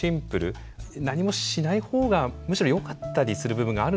何もしない方がむしろよかったりする部分があるんでしょうか？